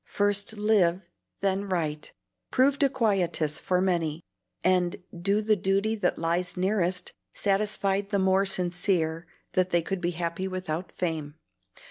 "First live, then write," proved a quietus for many, and "Do the duty that lies nearest" satisfied the more sincere that they could be happy without fame.